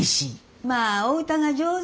まあお歌が上手ねえ。